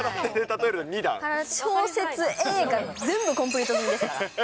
小説、映画、全部コンプリート済みですから。